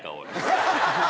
ハハハハ！